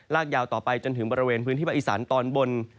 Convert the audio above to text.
ลากยาวต่อไปจนถึงบริเวณพื้นที่ประอิสรรตอนบน